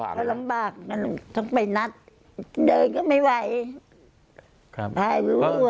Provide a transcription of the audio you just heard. เขาลำบากต้องไปนัดเดินก็ไม่ไหว